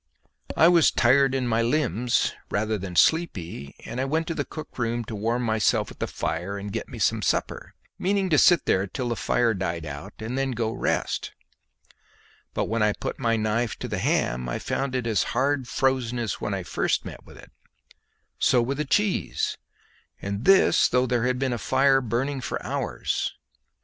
I was tired in my limbs rather than sleepy, and went to the cook room to warm myself at the fire and get me some supper, meaning to sit there till the fire died out and then go to rest; but when I put my knife to the ham I found it as hard frozen as when I had first met with it; so with the cheese; and this though there had been a fire burning for hours!